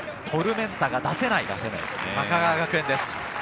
トルメンタが出せない高川学園です。